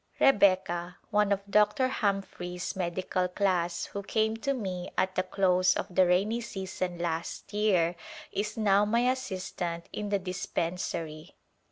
Rebecca, one of Dr. Humphrey's medical class who came to me at the close of the rainy season last year, is now my assistant in the dispensary.